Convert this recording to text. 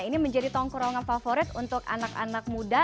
ini menjadi tongkurongan favorit untuk anak anak muda